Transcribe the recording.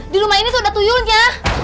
di rumah ini tuh ada tuyulnya